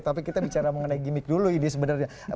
tapi kita bicara mengenai gimmick dulu ini sebenarnya